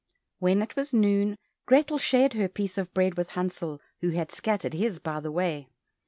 When it was noon, Grethel shared her piece of bread with Hansel, who had scattered his by the way.